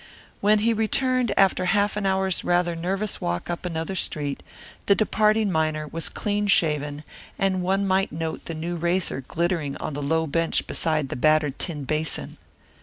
When he returned after half an hour's rather nervous walk up another street, the departing miner was clean shaven and one might note the new razor glittering on the low bench beside the battered tin basin.